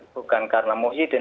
bukan karena muhyiddin